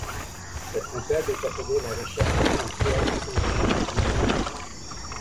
Cette méthode est appelée la recherche séquentielle ou recherche linéaire.